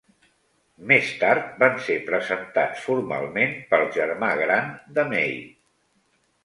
Més tard van ser presentats formalment pel germà gran de May.